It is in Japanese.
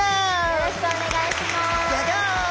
よろしくお願いします！